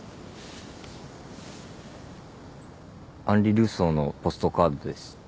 アンリ・ルソーのポストカードです。